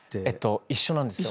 一緒なんですよ。